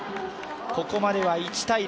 ここまで１−０。